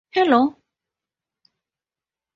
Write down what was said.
hello